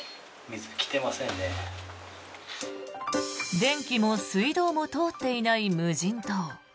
電気も水道も通っていない無人島。